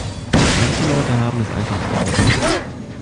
Manche Leute haben es einfach drauf.